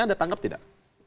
anda tanggap tidak